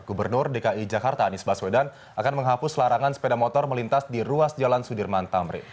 gubernur dki jakarta anies baswedan akan menghapus larangan sepeda motor melintas di ruas jalan sudirman tamrin